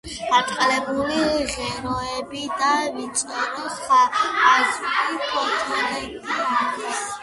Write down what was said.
გაბრტყელებული ღეროები და ვიწრო ხაზური ფოთლები აქვს.